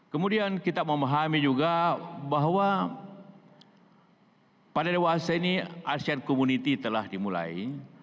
kemudian kita memahami juga bahwa pada dewasa ini arsyad community telah dimulai